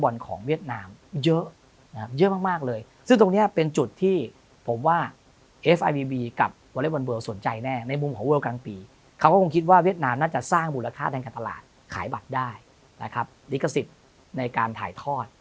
ลิขสิทธิ์ในการถ่ายทอด